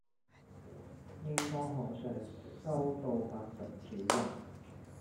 應當可上修到八十幾人